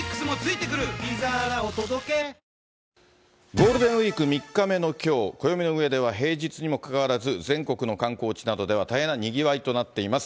ゴールデンウィーク３日目のきょう、暦の上では平日にもかかわらず、全国の観光地などでは、大変なにぎわいとなっています。